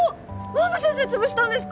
何で先生つぶしたんですか？